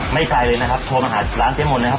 ไปเลยนะครับโทรมาหาร้านเจ๊มนต์นะครับ